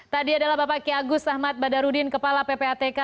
tadi adalah bapak ki agus ahmad badarudin kepala ppatk